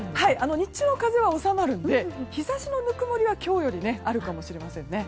日中の風は収まるので日差しのぬくもりは今日よりあるかもしれませんね。